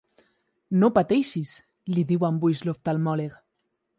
No pateixis —li diu amb ulls d'oftalmòleg—.